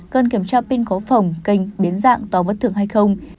cần kiểm tra pin có phồng kênh biến dạng to mất thường hay không